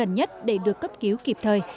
các bệnh nhân cần đưa bệnh nhân vào cấp cứu kịp thời